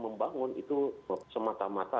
membangun itu semata mata